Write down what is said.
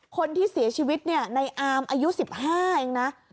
คนที่เสียชีวิตเนี่ยในอามอายุ๑๕เองนะ